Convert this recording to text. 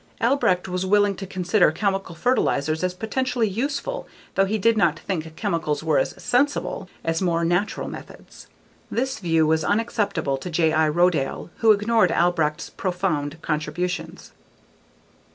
Albrecht was willing to consider chemical fertilizers as potentially useful though he did not think chemicals were as sensible as more natural methods. This view was unacceptable to J.l. Rodale, who ignored Albrecht's profound contributions.